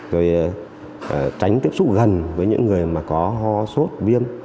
rồi tránh tiếp xúc gần với những người mà có ho sốt viêm